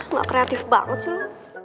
nggak kreatif banget sih